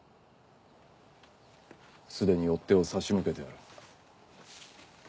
既に追っ手を差し向けてある。